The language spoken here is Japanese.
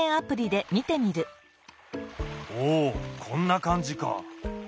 おおこんな感じか！